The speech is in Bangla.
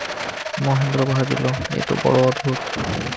মহেন্দ্র ভাবিল, এ তো বড়ো অদ্ভুত।